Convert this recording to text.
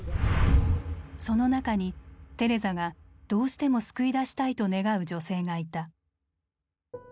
その中にテレザがどうしても救い出したいと願う女性がいた。